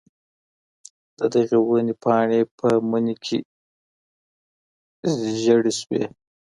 د دغې وني پاڼې په مني کي زیړې سوې.